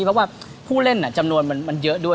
เพราะว่าผู้เล่นอ่ะ